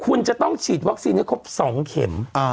คุณจะต้องฉีดวัคซีนให้ครบ๒เข็ม